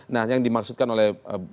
nah yang dimaksudkan oleh